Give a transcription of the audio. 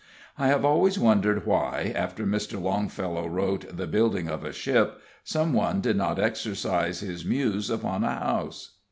I have always wondered why, after Mr. Longfellow wrote "The Building of a Ship," some one did not exercise his muse upon a house.